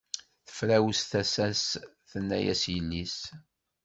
Tefrawes tasa-s tenna-as yelli-s.